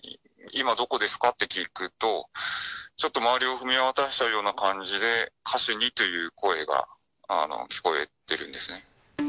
今どこですかって聞くと、ちょっと周りを見渡したような感じで、カシュニという声が聞こえてるんですね。